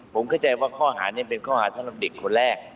ผมเข้าใจว่าข้อหานี้เป็นข้อหาสำหรับเด็กคนแรก